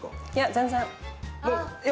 全然。